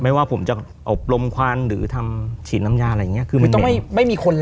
ไม่ว่าผมจะเอาปลมควันหรือทำฉีดน้ำยาอะไรอย่างเงี้ยคือมันไม่ไม่มีคนแล้ว